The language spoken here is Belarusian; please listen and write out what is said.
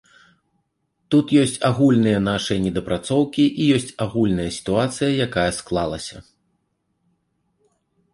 Тут ёсць агульныя нашыя недапрацоўкі і ёсць агульная сітуацыя, якая склалася.